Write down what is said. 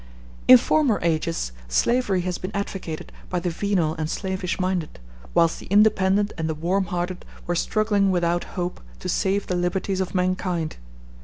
In former ages slavery has been advocated by the venal and slavish minded, whilst the independent and the warm hearted were struggling without hope to save the liberties of mankind.